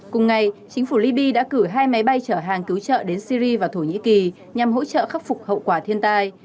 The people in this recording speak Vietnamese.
cùng ngày chính phủ liby đã cử hai máy bay chở hàng cứu trợ đến syri và thổ nhĩ kỳ nhằm hỗ trợ khắc phục hậu quả thiên tai